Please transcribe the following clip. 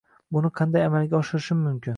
Buni qanday amalga oshirishim mumkin?